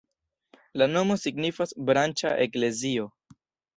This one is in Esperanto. La nomo signifas branĉa-eklezio.